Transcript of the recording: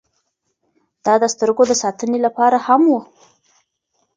دا د سترګو د ساتنې لپاره هم و.